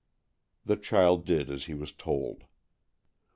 The child did as he was told.